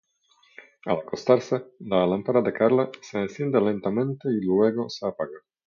Al acostarse, la lámpara de Carla se enciende lentamente y luego se apaga.